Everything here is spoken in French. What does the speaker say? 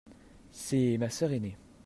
C'est ma sœur ainée.